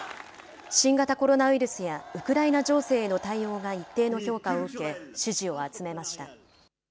新型コロナウイルスやウクライナ情勢への対応が一定の評価を受け、支持を集めました。